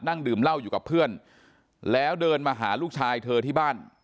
นั่งดื่มเหล้าอยู่กับเพื่อนแล้วเดินมาหาลูกชายเธอที่บ้าน